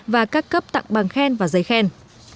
và các cấp tặng băng khen và giấy khen